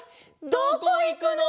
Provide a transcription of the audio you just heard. どこいくの？